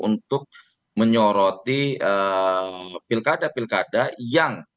untuk menyoroti pilkada pilkada yang